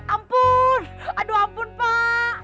ampun aduh ampun pak